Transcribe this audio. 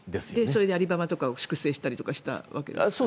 それでアリババを粛清したりしたわけですよね。